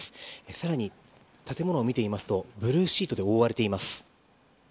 更に、建物を見てみますとブルーシートで覆われています。